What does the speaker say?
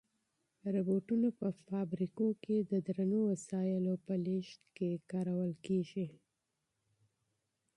روبوټونه په فابریکو کې د درنو وسایلو په لېږد کې کارول کیږي.